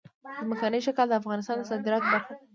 ځمکنی شکل د افغانستان د صادراتو برخه ده.